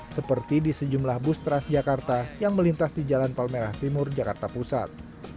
seperti di sejumlah bus transjakarta yang melintas di jalan palmerah timur jakarta pusat